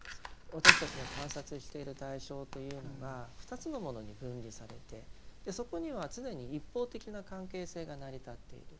私たちが観察している対象というのが２つのものに分離されてそこには常に一方的な関係性が成り立っている。